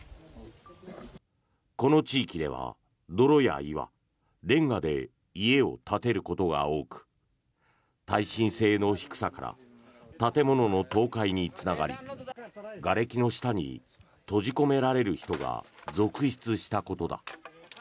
この地域では泥や岩、レンガで家を建てることが多く耐震性の低さから建物の倒壊につながりがれきの下に閉じ込められる人が続出したことだ。